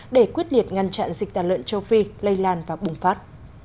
để quyết liệt ngăn chặn dịch tàn lợn châu phi lây lan và bùng phát